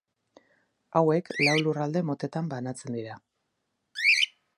Hauek lau lurralde motetan banatzen dira.